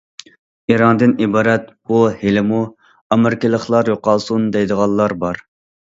ئىراندىن ئىبارەت بۇ ھېلىمۇ‹‹ ئامېرىكىلىقلار يوقالسۇن›› دەيدىغانلار بار.